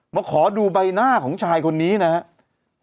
ขอดูใบหน้าของชายคนนี้นะครับ